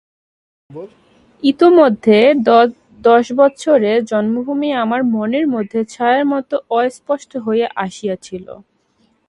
ইতিমধ্যে দশবৎসরে জন্মভূমি আমার মনের মধ্যে ছায়ার মতো অস্পষ্ট হইয়া আসিয়াছিল।